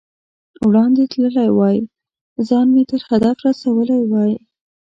وړاندې تللی وای، ځان مې تر هدف رسولی وای.